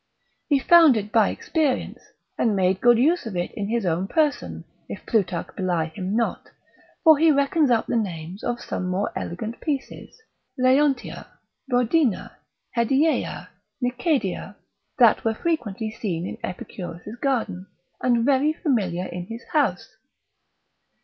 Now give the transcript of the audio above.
He found it by experience, and made good use of it in his own person, if Plutarch belie him not; for he reckons up the names of some more elegant pieces; Leontia, Boedina, Hedieia, Nicedia, that were frequently seen in Epicurus' garden, and very familiar in his house.